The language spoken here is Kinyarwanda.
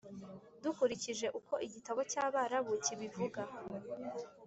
dukurikije uko igitabo cy’abarabu kibivuga,